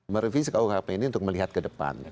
merevisi kuhp ini untuk melihat ke depan